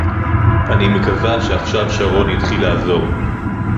אני מקווה שעכשיו שרון יתחיל לעזור